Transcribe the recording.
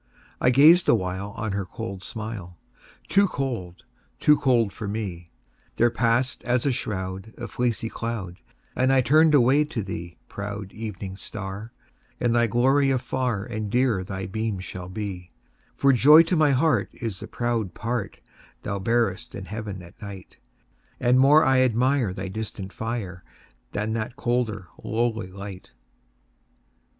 I gazed awhile On her cold smile; Too cold—too cold for me— There passed, as a shroud, A fleecy cloud, And I turned away to thee, Proud Evening Star, In thy glory afar And dearer thy beam shall be; For joy to my heart Is the proud part Thou bearest in Heaven at night, And more I admire Thy distant fire, Than that colder, lowly light.